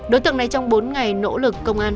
đối tượng này trong bốn ngày nỗ lực công an